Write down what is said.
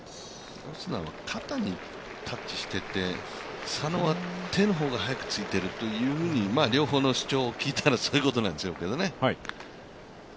オスナは肩にタッチしてて佐野は手の方が早く着いているという、両方の主張を聞いたら、そういうことなんでしょうけどね。